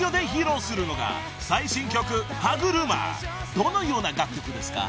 ［どのような楽曲ですか？］